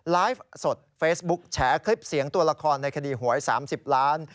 ไลฟ์สดเฟซบุ๊กแฉคลิปเสียงตัวละครในคดีหวย๓๐ล้าน